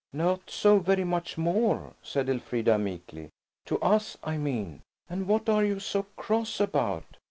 "Not so very much more," said Elfrida meekly,–"to us, I mean. And what are you so cross about?"